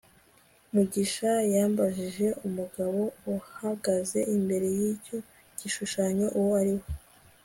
mugisha yambajije umugabo uhagaze imbere yicyo gishushanyo uwo ari we